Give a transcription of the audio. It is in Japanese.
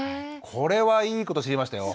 これはいいこと知りましたよ。